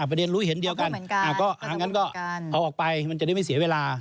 ประเด็นลุ้ยเห็นเดียวกันก็เอาออกไปมันจะได้ไม่เสียเวลา